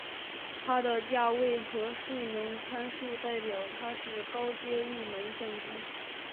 它的价位和性能参数代表它是高阶入门相机。